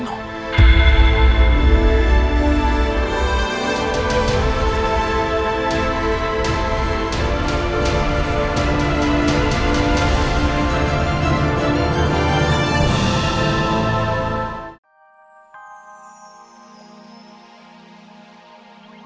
dia maksudnya pas claustrogane